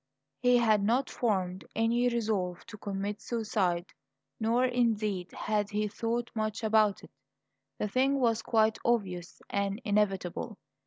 He had not formed any resolve to commit suicide, nor indeed had he thought much about it; the thing was quite obvious and inevitable.